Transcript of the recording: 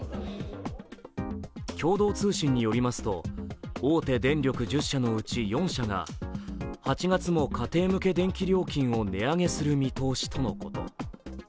共同通信によりますと大手電力１０社のうち４社が８月も家庭向け電気料金を値上げする見通しとのこと。